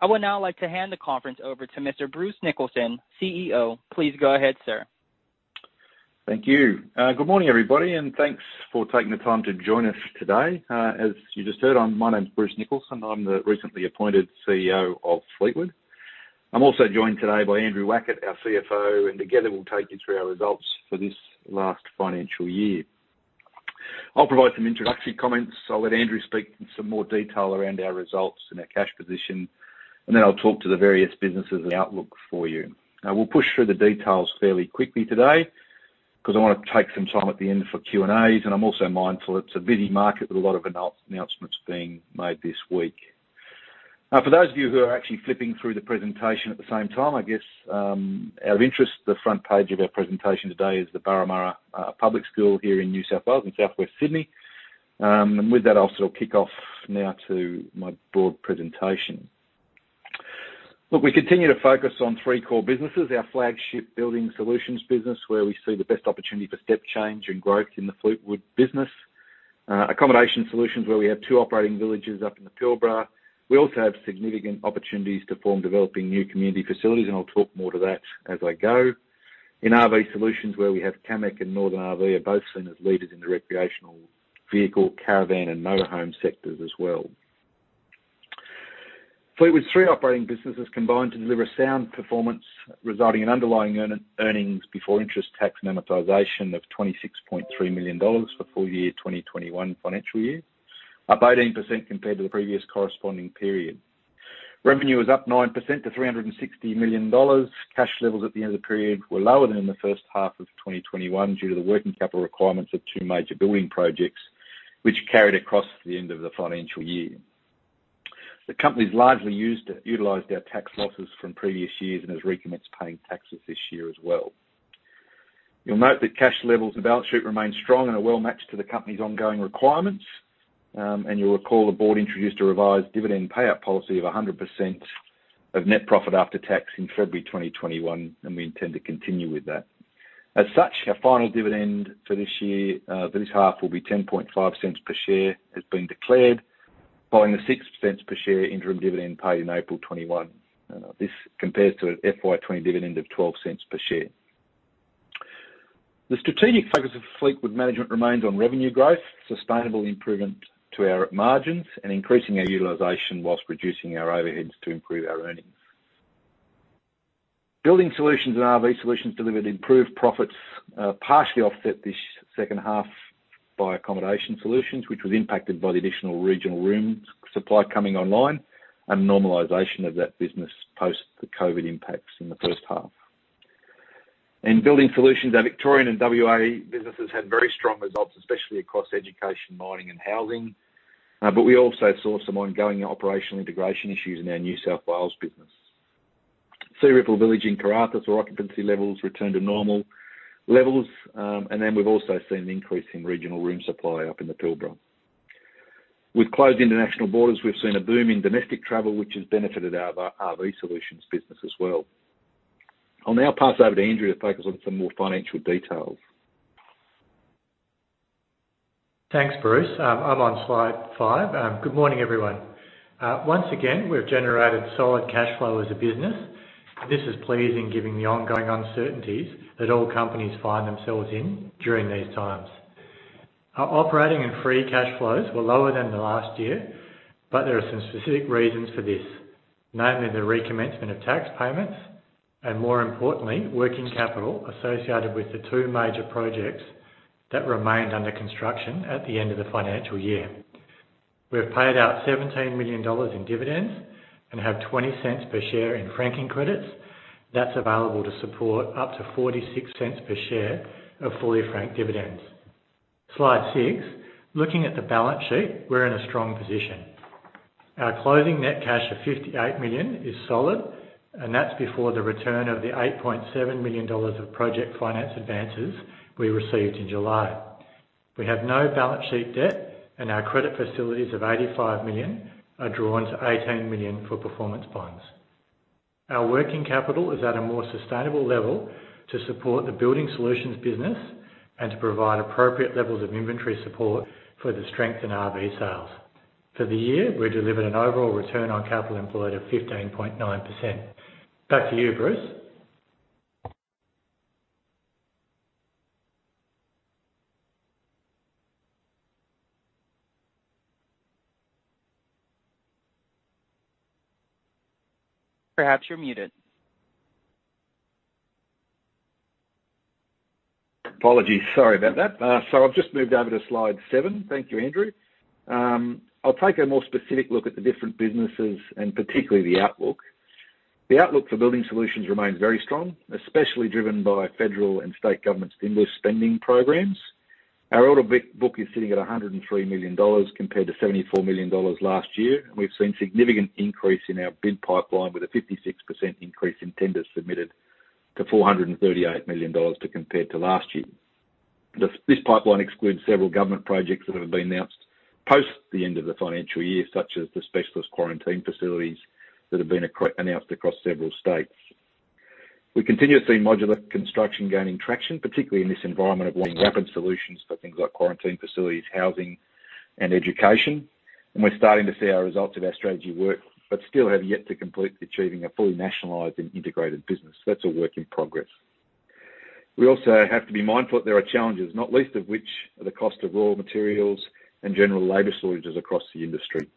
I would now like to hand the conference over to Mr Bruce Nicholson, Chief Executive Officer. Please go ahead, sir. Thank you. Good morning, everybody, and thanks for taking the time to join us today. As you just heard, my name's Bruce Nicholson. I'm the recently appointed Chief Executive Officer of Fleetwood. I'm also joined today by Andrew Wackett, our Chief Financial Officer, and together we'll take you through our results for this last financial year. I'll provide some introductory comments. I'll let Andrew speak in some more detail around our results and our cash position, and then I'll talk to the various businesses and outlook for you. Now, we'll push through the details fairly quickly today, because I want to take some time at the end for Q&As, and I'm also mindful it's a busy market with a lot of announcements being made this week. For those of you who are actually flipping through the presentation at the same time, I guess, out of interest, the front page of our presentation today is the Barramurra Public School here in New South Wales in southwest Sydney. With that, I'll sort of kick off now to my broad presentation. Look, we continue to focus on three core businesses, our flagship Building Solutions business, where we see the best opportunity for step change and growth in the Fleetwood business. Accommodation Solutions, where we have two operating villages up in the Pilbara. We also have significant opportunities to form developing new community facilities, I'll talk more to that as I go. In RV Solutions, where we have Camec and Northern RV are both seen as leaders in the recreational vehicle, caravan, and motor home sectors as well. Fleetwood's three operating businesses combine to deliver a sound performance, resulting in underlying earnings before interest, tax, and amortization of 26.3 million dollars for full year 2021 financial year, up 18% compared to the previous corresponding period. Revenue was up 9% to 360 million dollars. Cash levels at the end of the period were lower than in the first half of 2021 due to the working capital requirements of two major building projects, which carried across to the end of the financial year. The company's largely utilized our tax losses from previous years and has recommenced paying taxes this year as well. You'll note that cash levels and balance sheet remain strong and are well matched to the company's ongoing requirements. You'll recall the board introduced a revised dividend payout policy of 100% of net profit after tax in February 2021, and we intend to continue with that. Our final dividend for this half will be 0.105 per share has been declared, following the 0.06 per share interim dividend paid in April 2021. This compares to an FY 2020 dividend of 0.12 per share. The strategic focus of Fleetwood management remains on revenue growth, sustainable improvement to our margins, and increasing our utilization while reducing our overheads to improve our earnings. Building Solutions and RV Solutions delivered improved profits, partially offset this second half by Accommodation Solutions, which was impacted by the additional regional room supply coming online and normalization of that business post the COVID-19 impacts in the first half. In Building Solutions, our Victorian and W.A. businesses had very strong results, especially across education, mining, and housing. We also saw some ongoing operational integration issues in our New South Wales business. Searipple Village in Karratha saw occupancy levels return to normal levels, and then we've also seen an increase in regional room supply up in the Pilbara. With closed international borders, we've seen a boom in domestic travel, which has benefited our RV Solutions business as well. I'll now pass over to Andrew to focus on some more financial details. Thanks, Bruce. I'm on slide five. Good morning, everyone. Once again, we've generated solid cash flow as a business. This is pleasing given the ongoing uncertainties that all companies find themselves in during these times. Our operating and free cash flows were lower than the last year, but there are some specific reasons for this. Namely, the recommencement of tax payments, and more importantly, working capital associated with the two major projects that remained under construction at the end of the financial year. We have paid out 17 million dollars in dividends and have 0.20 per share in franking credits. That's available to support up to 0.46 per share of fully franked dividends. Slide six. Looking at the balance sheet, we're in a strong position. Our closing net cash of 58 million is solid. That's before the return of the 8.7 million dollars of project finance advances we received in July. We have no balance sheet debt. Our credit facilities of 85 million are drawn to 18 million for performance bonds. Our working capital is at a more sustainable level to support the Building Solutions business and to provide appropriate levels of inventory support for the strength in RV sales. For the year, we delivered an overall return on capital employed of 15.9%. Back to you, Bruce. Perhaps you're muted. Apologies. Sorry about that. I've just moved over to slide seven. Thank you, Andrew. I'll take a more specific look at the different businesses and particularly the outlook. The outlook for Building Solutions remains very strong, especially driven by federal and state government stimulus spending programs. Our order book is sitting at 103 million dollars compared to 74 million dollars last year. We've seen significant increase in our bid pipeline with a 56% increase in tenders submitted to 438 million dollars to compare to last year. This pipeline excludes several government projects that have been announced post the end of the financial year, such as the specialist quarantine facilities that have been announced across several states. We continue to see modular construction gaining traction, particularly in this environment of wanting rapid solutions for things like quarantine facilities, housing, and education. We're starting to see our results of our strategy work, but still have yet to complete achieving a fully nationalized and integrated business. That's a work in progress. We also have to be mindful that there are challenges, not least of which are the cost of raw materials and general labor shortages across the industry.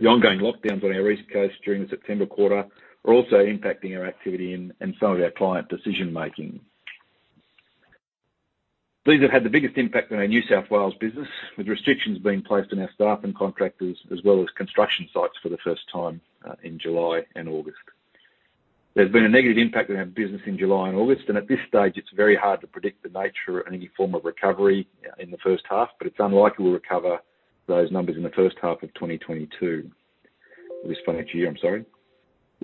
The ongoing lockdowns on our East Coast during the September quarter are also impacting our activity and some of our client decision-making. These have had the biggest impact on our New South Wales business, with restrictions being placed on our staff and contractors, as well as construction sites for the first time, in July and August. There's been a negative impact on our business in July and August, and at this stage it's very hard to predict the nature or any form of recovery in the first half, but it's unlikely we'll recover those numbers in the first half of 2022. This financial year, I'm sorry.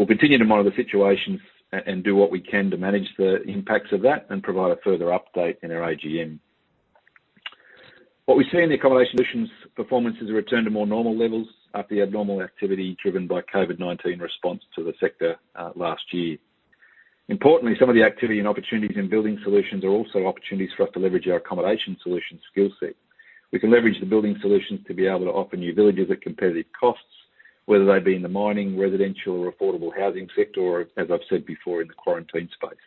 We'll continue to monitor the situation and do what we can to manage the impacts of that and provide a further update in our AGM. What we see in the Accommodation Solutions performance is a return to more normal levels after the abnormal activity driven by COVID-19 response to the sector last year. Importantly, some of the activity and opportunities in Building Solutions are also opportunities for us to leverage our Accommodation Solutions skill set. We can leverage the Building Solutions to be able to offer new villages at competitive costs, whether they be in the mining, residential, or affordable housing sector, or as I've said before, in the quarantine space.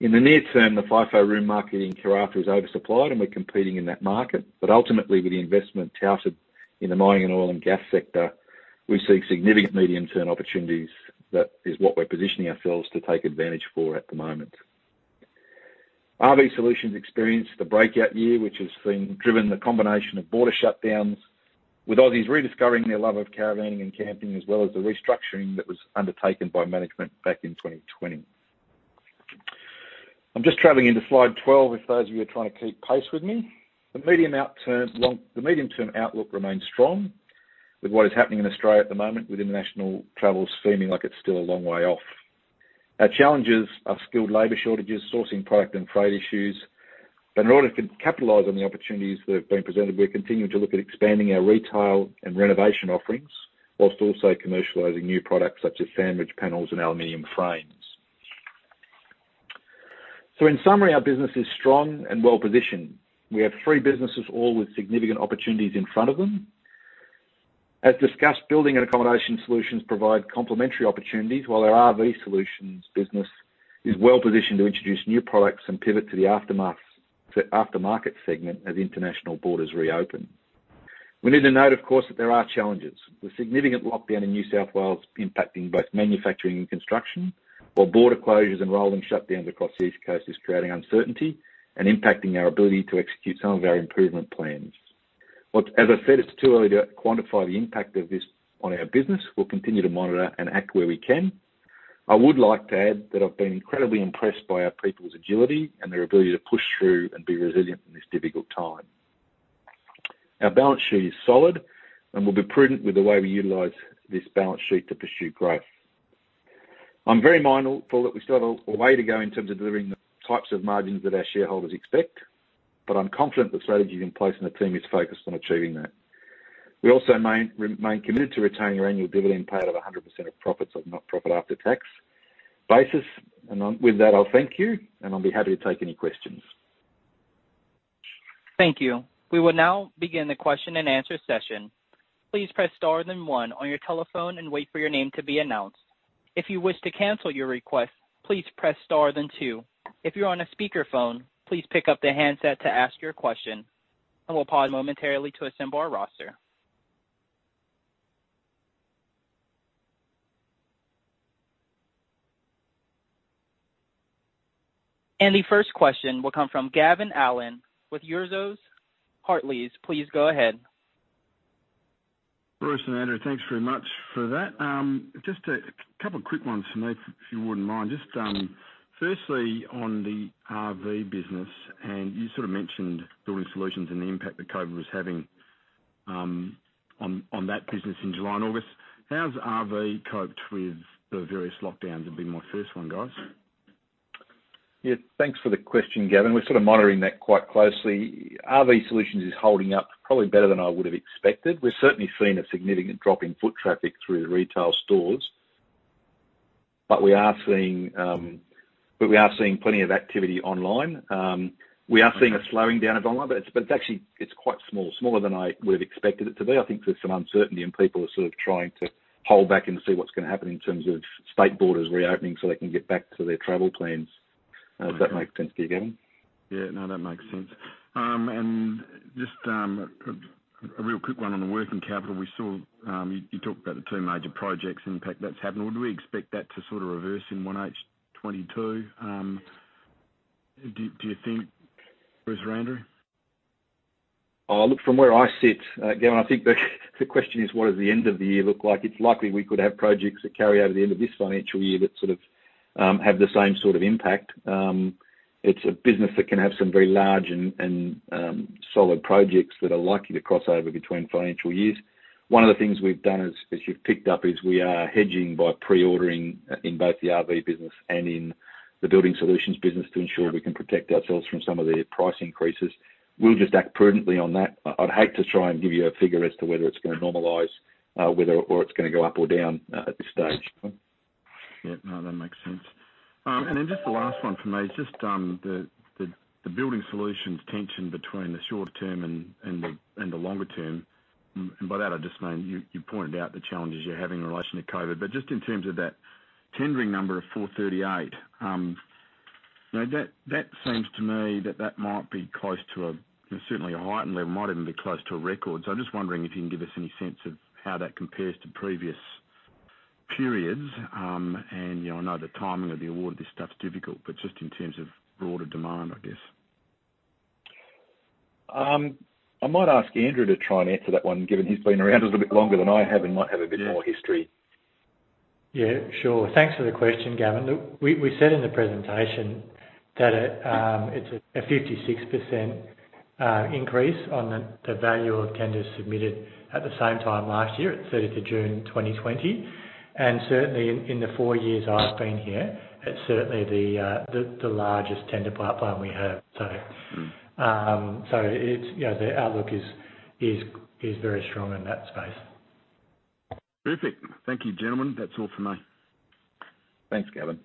In the near term, the FIFO room market in Karratha is oversupplied and we're competing in that market. Ultimately, with the investment touted in the mining and oil and gas sector, we see significant medium-term opportunities. That is what we're positioning ourselves to take advantage for at the moment. RV Solutions experienced the breakout year, which has been driven the combination of border shutdowns, with Aussies rediscovering their love of caravanning and camping, as well as the restructuring that was undertaken by management back in 2020. I'm just traveling into Slide 12, if those of you are trying to keep pace with me. The medium-term outlook remains strong with what is happening in Australia at the moment, with international travels seeming like it's still a long way off. Our challenges are skilled labor shortages, sourcing product and freight issues. In order to capitalize on the opportunities that have been presented, we're continuing to look at expanding our retail and renovation offerings, while also commercializing new products such as sandwich panels and aluminum frames. In summary, our business is strong and well positioned. We have three businesses, all with significant opportunities in front of them. As discussed, Building Solutions and Accommodation Solutions provide complementary opportunities, while our RV Solutions business is well positioned to introduce new products and pivot to the aftermarket segment as international borders reopen. We need to note, of course, that there are challenges, with significant lockdown in New South Wales impacting both manufacturing and construction, while border closures and rolling shutdowns across the East Coast is creating uncertainty and impacting our ability to execute some of our improvement plans. As I said, it's too early to quantify the impact of this on our business. We'll continue to monitor and act where we can. I would like to add that I've been incredibly impressed by our people's agility and their ability to push through and be resilient in this difficult time. Our balance sheet is solid, and we'll be prudent with the way we utilize this balance sheet to pursue growth. I'm very mindful that we still have a way to go in terms of delivering the types of margins that our shareholders expect, but I'm confident the strategy is in place and the team is focused on achieving that. We also remain committed to retaining our annual dividend payout of 100% of profits on a net profit after tax basis. With that, I'll thank you, and I'll be happy to take any questions. Thank you. We will now begin the question and answer session. The first question will come from Gavin Allen with Euroz Hartleys. Please go ahead. Bruce and Andrew, thanks very much for that. Just a couple of quick ones from me, if you wouldn't mind. Just firstly on the RV business, and you sort of mentioned Building Solutions and the impact that COVID was having on that business in July and August. How's RV coped with the various lockdowns would be my first one, guys? Thanks for the question, Gavin. We're sort of monitoring that quite closely. RV Solutions is holding up probably better than I would have expected. We've certainly seen a significant drop in foot traffic through the retail stores. We are seeing plenty of activity online. We are seeing a slowing down of online, but it's actually quite small. Smaller than we've expected it to be. I think there's some uncertainty and people are sort of trying to hold back and see what's going to happen in terms of state borders reopening so they can get back to their travel plans. Does that make sense to you, Gavin? Yeah. No, that makes sense. Just a real quick one on the working capital. We saw you talked about the two major projects and the impact that's having. Would we expect that to sort of reverse in 1H 2022, do you think, Bruce or Andrew? Look, from where I sit, Gavin, I think the question is what does the end of the year look like? It's likely we could have projects that carry over to the end of this financial year that sort of have the same sort of impact. It's a business that can have some very large and solid projects that are likely to cross over between financial years. One of the things we've done, as you've picked up, is we are hedging by pre-ordering in both the RV Solutions and in the Building Solutions business to ensure we can protect ourselves from some of the price increases. We'll just act prudently on that. I'd hate to try and give you a figure as to whether it's going to normalize or it's going to go up or down at this stage. No, that makes sense. Just the last one for me is just the Building Solutions tension between the short term and the longer term. By that I just mean you pointed out the challenges you're having in relation to COVID, but just in terms of that tendering number of 438. That seems to me that that might be close to certainly a heightened level, might even be close to a record. I'm just wondering if you can give us any sense of how that compares to previous periods. I know the timing of the award of this stuff is difficult, but just in terms of broader demand, I guess. I might ask Andrew to try and answer that one, given he's been around a little bit longer than I have and might have a bit more history. Yeah, sure. Thanks for the question, Gavin. Look, we said in the presentation that it's a 56% increase on the value of tenders submitted at the same time last year, at 30th June 2020. Certainly in the four years I've been here, it's certainly the largest tender pipeline we have. The outlook is very strong in that space. Perfect. Thank you, gentlemen. That's all for me. Thanks, Gavin.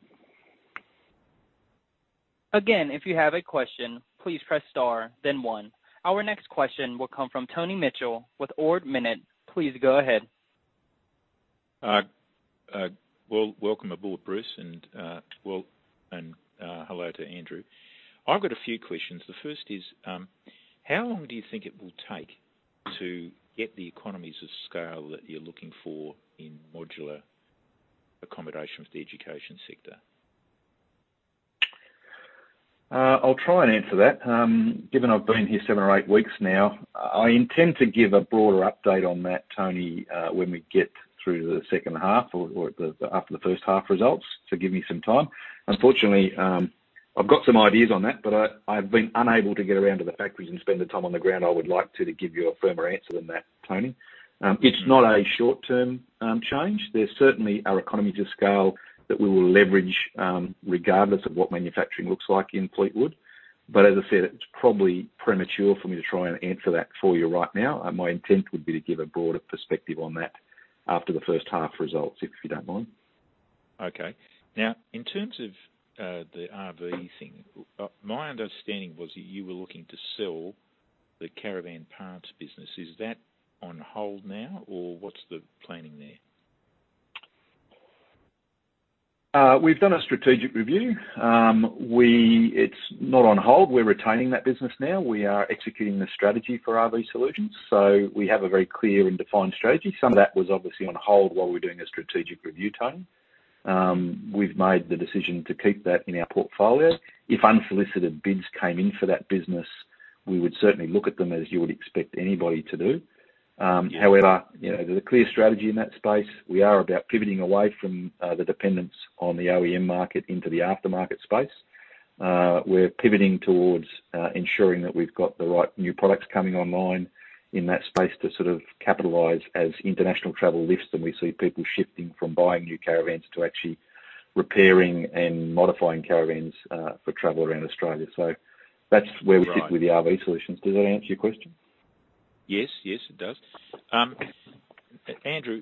Again, if you have a question, please press star then one. Our next question will come from Tony Mitchell with Ord Minnett. Please go ahead. Well, welcome aboard, Bruce, and hello to Andrew. I've got a few questions. The first is, how long do you think it will take to get the economies of scale that you're looking for in modular accommodation with the education sector? I'll try and answer that. Given I've been here seven or eight weeks now, I intend to give a broader update on that, Tony, when we get through to the second half or after the first half results. Give me some time. Unfortunately, I've got some ideas on that, but I've been unable to get around to the factories and spend the time on the ground I would like to give you a firmer answer than that, Tony. It's not a short-term change. There's certainly are economies of scale that we will leverage regardless of what manufacturing looks like in Fleetwood. As I said, it's probably premature for me to try and answer that for you right now. My intent would be to give a broader perspective on that after the first half results, if you don't mind. Okay. In terms of the RV thing, my understanding was that you were looking to sell the caravan parts business. Is that on hold now or what's the planning there? We've done a strategic review. It's not on hold. We're retaining that business now. We are executing the strategy for RV Solutions. We have a very clear and defined strategy. Some of that was obviously on hold while we're doing a strategic review, Tony. We've made the decision to keep that in our portfolio. If unsolicited bids came in for that business, we would certainly look at them as you would expect anybody to do. However, there's a clear strategy in that space. We are about pivoting away from the dependence on the OEM market into the aftermarket space. We're pivoting towards ensuring that we've got the right new products coming online in that space to capitalize as international travel lifts and we see people shifting from buying new caravans to actually repairing and modifying caravans for travel around Australia. That's where we sit with the RV Solutions. Does that answer your question? Yes, it does. Andrew,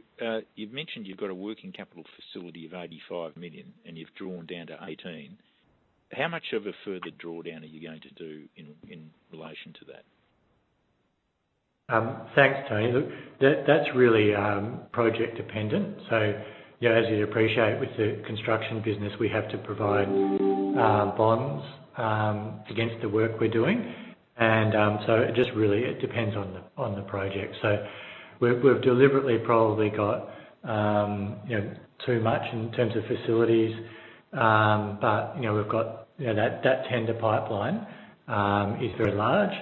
you've mentioned you've got a working capital facility of 85 million and you've drawn down to 18. How much of a further drawdown are you going to do in relation to that? Thanks, Tony. Look, that's really project-dependent. As you'd appreciate with the construction business, we have to provide bonds against the work we're doing. It just really depends on the project. We've deliberately probably got too much in terms of facilities. We've got that tender pipeline is very large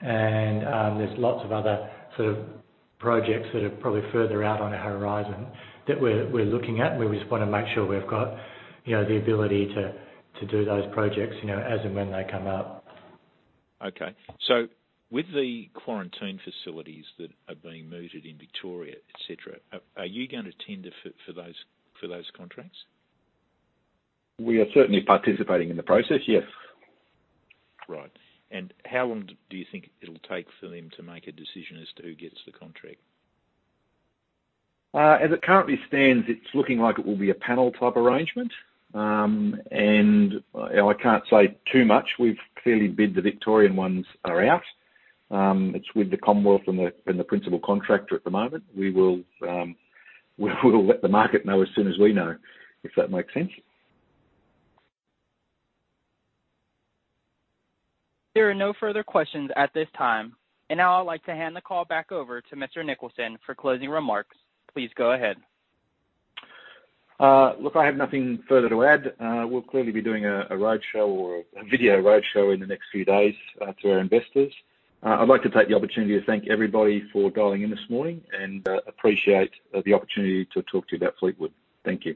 and there's lots of other projects that are probably further out on our horizon that we're looking at, where we just want to make sure we've got the ability to do those projects, as and when they come up. With the quarantine facilities that are being mooted in Victoria, et cetera, are you going to tender for those contracts? We are certainly participating in the process, yes. Right. How long do you think it'll take for them to make a decision as to who gets the contract? As it currently stands, it's looking like it will be a panel-type arrangement. I can't say too much. We've clearly bid the Victorian ones are out. It's with the Commonwealth and the principal contractor at the moment. We will let the market know as soon as we know, if that makes sense. There are no further questions at this time, and now I'd like to hand the call back over to Mr Nicholson for closing remarks. Please go ahead. Look, I have nothing further to add. We'll clearly be doing a roadshow or a video roadshow in the next few days to our investors. I'd like to take the opportunity to thank everybody for dialing in this morning and appreciate the opportunity to talk to you about Fleetwood. Thank you